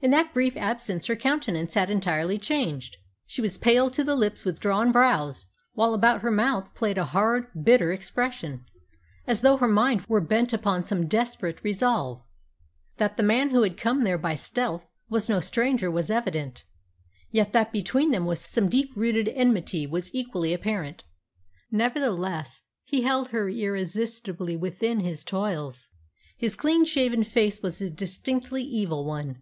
In that brief absence her countenance had entirely changed. She was pale to the lips, with drawn brows, while about her mouth played a hard, bitter expression, as though her mind were bent upon some desperate resolve. That the man who had come there by stealth was no stranger was evident; yet that between them was some deep rooted enmity was equally apparent. Nevertheless, he held her irresistibly within his toils. His clean shaven face was a distinctly evil one.